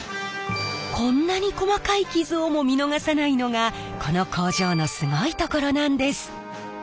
こんなに細かい傷をも見逃さないのがこの工場のすごいところなんです。